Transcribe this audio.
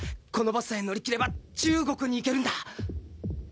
この場さえ乗り切れば中国に行けるんだ！